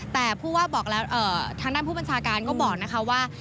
แต่เพราะว่าทางด้านผู้บัญชาการก็บอกว่า